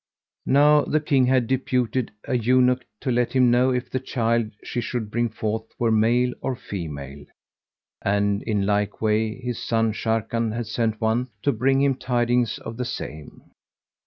[FN#147] Now the King had deputed a eunuch to let him know if the child she should bring forth were male or female; and in like way his son Sharrkan had sent one to bring him tidings of the same.